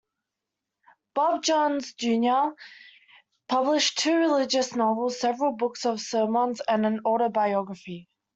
Bob Jones Junior published two religious novels, several books of sermons, and an autobiography.